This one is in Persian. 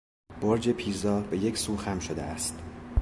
برج پیزا به یک سو خم شده است.